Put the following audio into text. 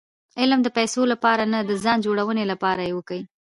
علم د پېسو له پاره نه؛ د ځان جوړوني له پاره ئې وکئ!